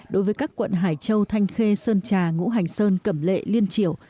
đối với các quận hải châu thanh khê sơn trà ngũ hành sơn cẩm lệ liên triều